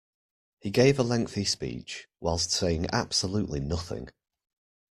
He gave a lengthy speech, whilst saying absolutely nothing.